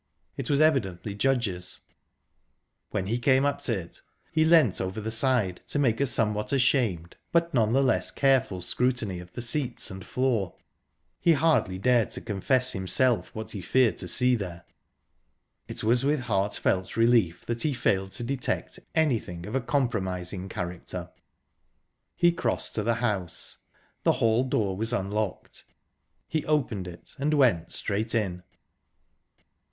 It was evidently Judge's. When he came up to it, he leant over the side, to make a somewhat ashamed, but none the less careful scrutiny of the seats and floor. He hardly dared to confess himself what he feared to see there. It was with heartfelt relief that he failed to detect anything of a compromising character. He crossed to the house. The hall door was unlocked; he opened it, and went straight in.